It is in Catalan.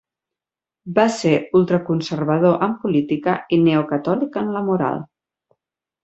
Va ser ultraconservador en política i neocatòlic en la moral.